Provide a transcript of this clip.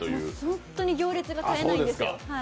本当に行列が絶えないんですよ。